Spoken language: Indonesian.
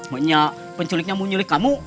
mungkin penculiknya mau menyulik kamu